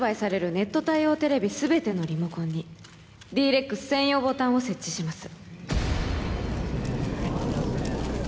ネット対応テレビ全てのリモコンにＤ−ＲＥＸ専用ボタンを設置します